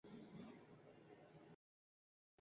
El templo forma parte del Obispado Castrense de Chile.